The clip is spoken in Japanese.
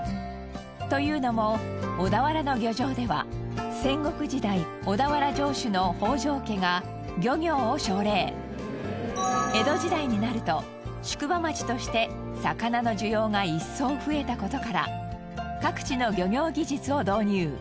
というのも小田原の漁場では戦国時代小田原城主の江戸時代になると宿場町として魚の需要が一層増えた事から各地の漁業技術を導入。